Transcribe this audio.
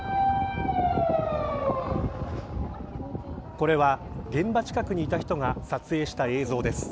これは、現場近くにいた人が撮影した映像です。